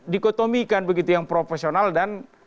dikotomikan begitu yang profesional dan